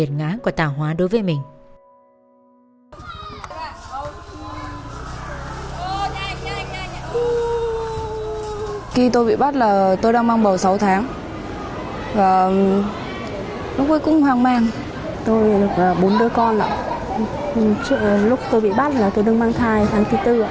lúc tôi bị bắt là tôi đứng mang thai tháng thứ tư